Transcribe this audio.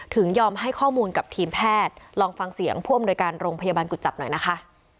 ยอมให้ข้อมูลกับทีมแพทย์ลองฟังเสียงผู้อำนวยการโรงพยาบาลกุจจับหน่อยนะคะ